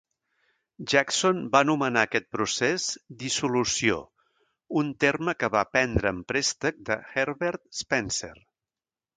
Jackson va anomenar aquest procés 'dissolució', un terme que va prendre en préstec de Herbert Spencer.